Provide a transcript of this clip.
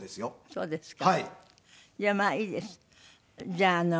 そうですか。